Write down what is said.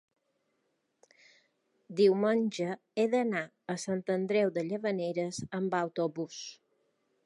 diumenge he d'anar a Sant Andreu de Llavaneres amb autobús.